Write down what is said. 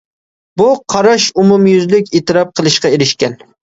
بۇ قاراش ئومۇميۈزلۈك ئېتىراپ قىلىشقا ئېرىشكەن.